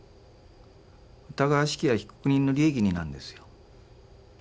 疑わしきは被告人の利益になるんですよ。